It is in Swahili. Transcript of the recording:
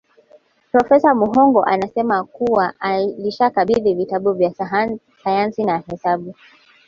Profesa Muhongo anasema kuwa alishakabidhi vitabu vya Sayansi na Hesabu